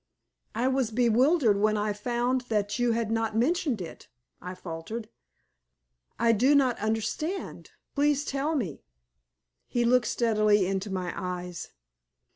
"I was bewildered when I found that you had not mentioned it," I faltered. "I do not understand. Please tell me." He looked steadily into my eyes.